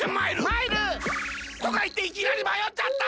まいる！とかいっていきなりまよっちゃった！